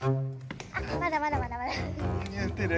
あっまだまだまだまだ。